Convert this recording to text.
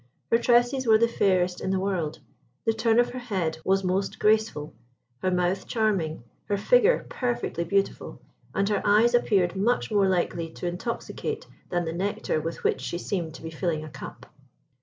Her tresses were the fairest in the world; the turn of her head was most graceful, her mouth charming, her figure perfectly beautiful, and her eyes appeared much more likely to intoxicate than the nectar with which she seemed to be filling a cup.